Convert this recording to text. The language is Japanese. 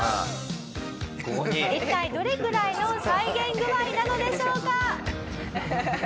一体どれくらいの再現具合なのでしょうか？